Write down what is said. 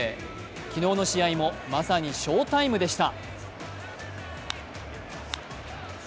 昨日の試合もまさに翔タイムでした。